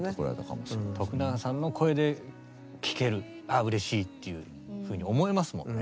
永さんの声で聴けるああうれしいっていうふうに思えますもんね。